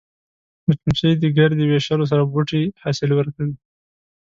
مچمچۍ د ګردې ویشلو سره بوټي حاصل ورکوي